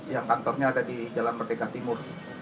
yang kantornya ada di jalan merdeka timur